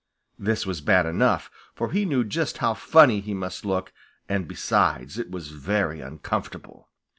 This was bad enough, for he knew just how funny he must look, and besides, it was very uncomfortable.